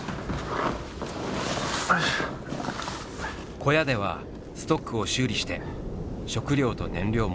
小屋ではストックを修理して食料と燃料も補給。